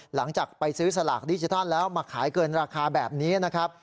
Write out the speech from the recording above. หลังจากไปซื้อสลากดิจิทัลแล้วมาขายเกินราคาแบบนี้นะครับ